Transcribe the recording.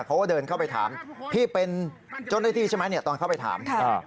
เขาก็เดินเข้าไปถามพี่เป็นเจ้าหน้าที่ใช่ไหมตอนเข้าไปถาม